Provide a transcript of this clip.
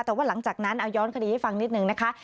แต่ว่าหลังจากนั้นเอาย้อนคดีให้ฟังนิดนึงนะคะ